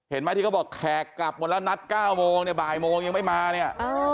เห็นไหมที่เขาบอกแขกกลับหมดแล้วนัด๙โมงเนี่ยบ่ายโมงยังไม่มาเนี่ย